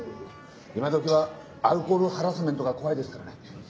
今どきはアルコールハラスメントが怖いですからね。